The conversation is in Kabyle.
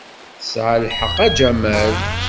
Tesɛa lḥeqq, a Jamal.